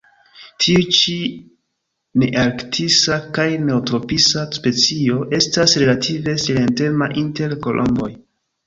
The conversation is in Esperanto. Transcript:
Tiu ĉi nearktisa kaj neotropisa specio estas relative silentema inter kolomboj.